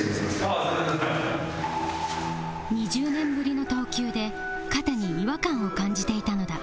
２０年ぶりの投球で肩に違和感を感じていたのだ